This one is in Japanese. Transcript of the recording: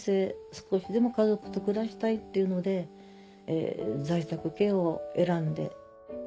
少しでも家族と暮らしたいっていうので在宅ケアを選んで。